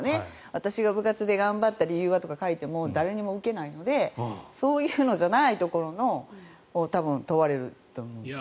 私が部活で頑張った理由はとか書いても誰にも受けないのでそういうのじゃないところが問われると思います。